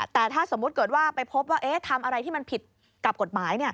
แต่ถ้าสมมุติเกิดว่าไปพบว่าทำอะไรที่มันผิดกับกฎหมาย